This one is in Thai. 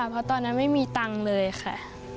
เพราะตอนนั้นไม่มีตังค์เลยค่ะ